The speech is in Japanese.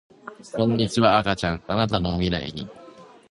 こんにちは赤ちゃんあなたの未来に